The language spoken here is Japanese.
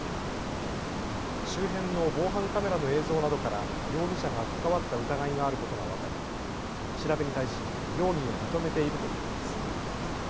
周辺の防犯カメラの映像などから容疑者が関わった疑いがあることが分かり調べに対し容疑を認めているということです。